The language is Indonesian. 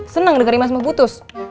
senang denger imas mau putus